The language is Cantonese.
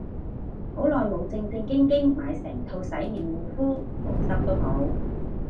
好耐冇正正經經買成套洗面護膚，補濕都冇